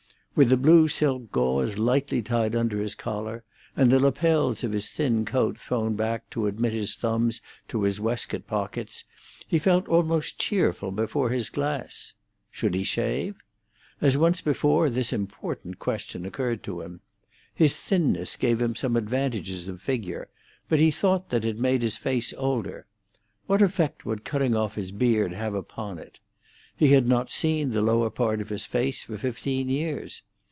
With the blue silk gauze lightly tied under his collar, and the lapels of his thin coat thrown back to admit his thumbs to his waistcoat pockets, he felt almost cheerful before his glass. Should he shave? As once before, this important question occurred to him. His thinness gave him some advantages of figure, but he thought that it made his face older. What effect would cutting off his beard have upon it? He had not seen the lower part of his face for fifteen years.